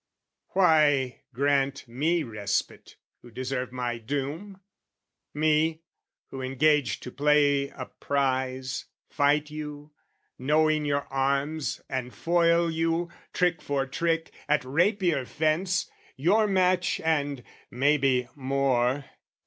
Why grant me respite who deserve my doom? Me who engaged to play a prize, fight you, Knowing your arms, and foil you, trick for trick, At rapier fence, your match and, may be, more.